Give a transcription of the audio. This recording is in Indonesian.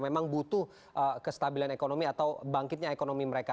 memang butuh kestabilan ekonomi atau bangkitnya ekonomi mereka